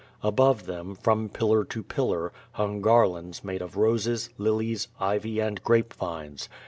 Above them, from pillar to pillar, hung garlands made of roses, lilies, ivy and grapevines.